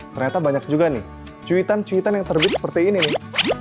ternyata banyak juga nih cuitan cuitan yang terbit seperti ini nih